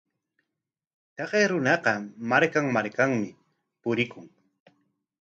Taqay runaqa markan markanmi purikun.